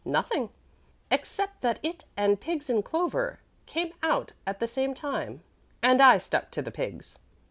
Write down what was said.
"Nothing except that it and 'Pigs in Clover' came out at the same time, and I stuck to the Pigs."